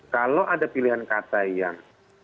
kalau ada pilihan kata yang